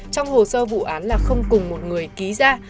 trong hồ sơ vụ án là không cùng một người ký ra